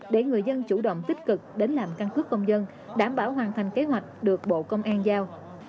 để người dân chủ động tích cực đến làm căn cứ công dân đảm bảo hoàn thành kế hoạch được bộ công an giao